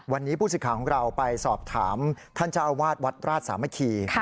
วันนี้ผู้สิทธิ์ของเราไปสอบถามท่านเจ้าอาวาสวัดราชสามัคคี